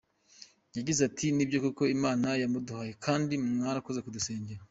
Yagize ati” Ni byo koko Imana yamuduhaye kandi mwarakoze kudusengera…”.